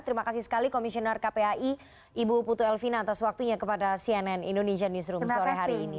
terima kasih sekali komisioner kpai ibu putu elvina atas waktunya kepada cnn indonesia newsroom sore hari ini